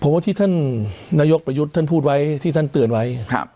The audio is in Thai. ผมว่าที่ท่านนายกประยุทธ์ท่านพูดไว้ที่ท่านเตือนไว้